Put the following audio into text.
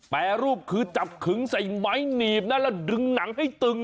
แปรรูปคือจับขึงใส่ไม้หนีบนะแล้วดึงหนังให้ตึง